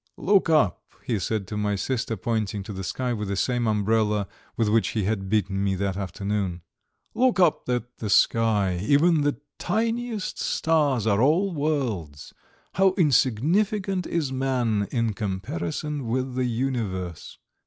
"Look up," he said to my sister, pointing to the sky with the same umbrella with which he had beaten me that afternoon. "Look up at the sky! Even the tiniest stars are all worlds! How insignificant is man in comparison with the universe!"